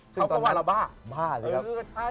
เขาก็ว่าเราบ้าบ้าเลยครับ